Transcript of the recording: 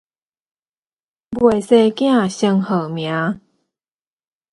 未生子，先號名